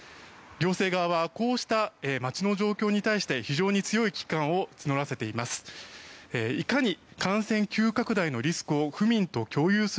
行政側はこうした街の状況に対して非常に強い危機感を募らせています。